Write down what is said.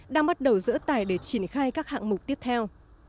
đang bắt đầu dỡ tài để triển khai các hạng mục tiếp theo